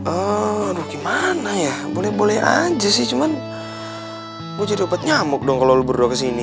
aduh gimana ya boleh boleh aja sih cuman gue jadi dapat nyamuk dong kalau berdua kesini